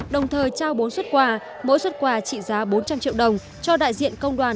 đồng thời trao bốn xuất quà mỗi xuất quà trị giá bốn trăm linh triệu đồng cho đại diện công đoàn